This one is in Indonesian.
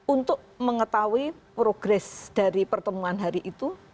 untuk mengetahui progres dari pertemuan hari itu